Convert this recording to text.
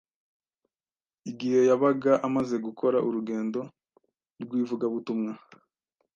Igihe yabaga amaze gukora urugendo rw’ivugabutumwa,